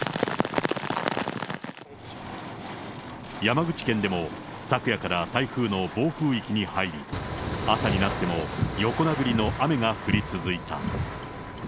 山口県でも、昨夜から台風の暴風域に入り、朝になっても横殴りの雨が降り続いた。